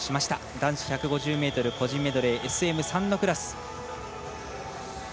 男子１５０ｍ個人メドレーＳＭ３のクラス。